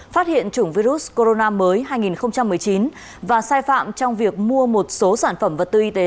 phát hiện chủng virus corona mới hai nghìn một mươi chín và sai phạm trong việc mua một số sản phẩm vật tư y tế